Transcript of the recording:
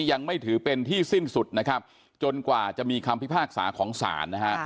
ยังไม่ถือเป็นที่สิ้นสุดจนกว่าจะมีคำพิพากษาของสาร